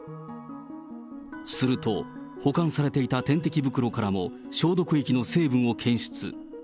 すると、保管されていた点滴袋からも消毒液の成分を検出。